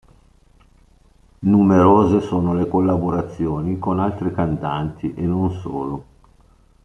Numerose sono le collaborazioni con altri cantanti e non solo.